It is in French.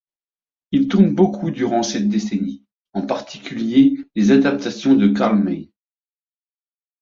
Il tourne beaucoup durant cette décennie, en particulier les adaptations de Karl May.